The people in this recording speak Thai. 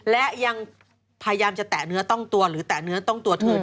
และยังพยายามจะแตะเนื้อต้องตัวหรือแตะเนื้อต้องตัวเธอ